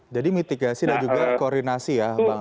jadi mitigasi dan juga koordinasi ya bang